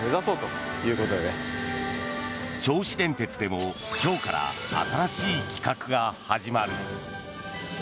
銚子電鉄でも今日から新しい企画が始まる。